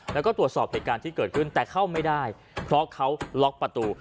แล้วก็ตรวจสอบเหตุการณ์ที่เกิดขึ้นแต่เข้าไม่ได้เพราะเขาล็อกประตู